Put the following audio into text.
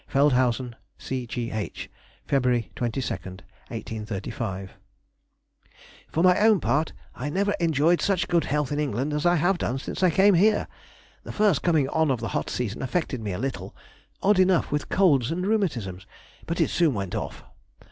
FELDHAUSEN, C. G. H., Feb. 22, 1835. For my own part I never enjoyed such good health in England as I have done since I came here. The first coming on of the hot season affected me a little (odd enough with colds and rheumatisms), but it soon went off.